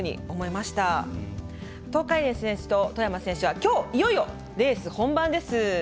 東海林選手と外山選手はきょう、いよいよレース本番です。